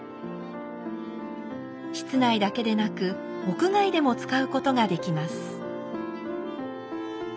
室内だけでなく屋外でも使うことができます。